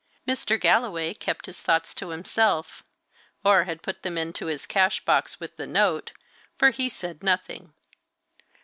Mr. Galloway kept his thoughts to himself, or had put them into his cash box with the note, for he said nothing.